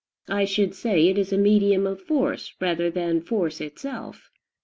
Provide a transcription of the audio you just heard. I should say it is a medium of force rather than force itself.